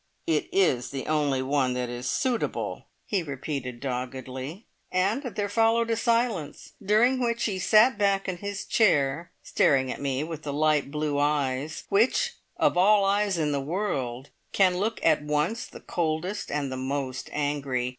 "It is the only one that is suitable," he repeated doggedly, and there followed a silence during which he sat back in his chair, staring at me with the light blue eyes, which of all eyes in the world can look at once the coldest and the most angry.